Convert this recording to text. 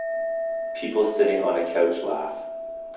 People sitting on a couch laugh.